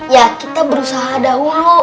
ya kita berusaha dahulu